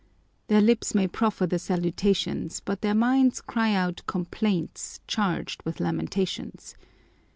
Their lips may proffer the salutations, but their minds cry out complaints, charged with lamentations.